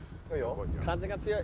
風が強い。